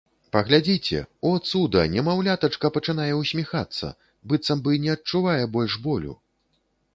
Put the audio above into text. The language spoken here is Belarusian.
Паглядзіце — о цуда — немаўлятачка пачынае ўсміхацца, быццам бы не адчувае больш болю.